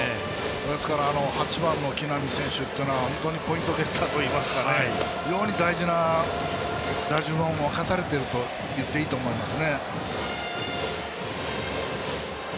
ですから、８番の木浪選手っていうのは本当にポイントゲッターといいますか非常に大事な打順を任されているといっていいと思います。